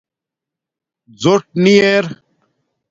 زݸٹ نی ار